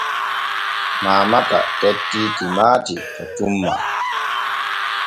Mamata tettti timaati to tumma.